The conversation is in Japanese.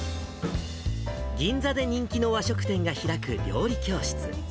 銀座で人気の和食店が開く料理教室。